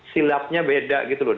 silapnya beda gitu loh